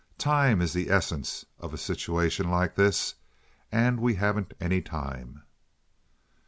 Time is the essence of a situation like this, and we haven't any time."